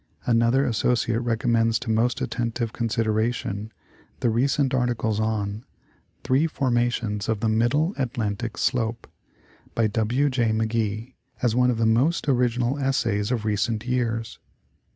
Another associate recommends to most attentive consideration the recent articles on " Three formations of the Middle Atlantic slope," by W J McGee (Am. Journal Science, Feb. June, 1888), as one of the most original essays of recent years.